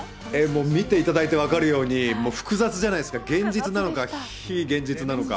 見ていただいて分かるように、複雑じゃないですか、現実なのか、非現実なのか。